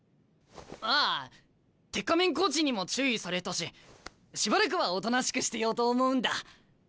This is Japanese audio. ああ鉄仮面コーチにも注意されたししばらくはおとなしくしてようと思うんだ。